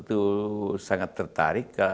itu sangat tertarik